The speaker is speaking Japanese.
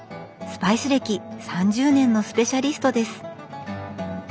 スパイス歴３０年のスペシャリストです。